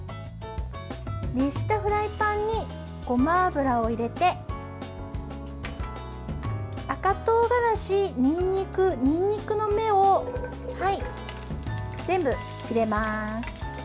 熱したフライパンにごま油を入れて赤とうがらしにんにく、にんにくの芽を全部入れます。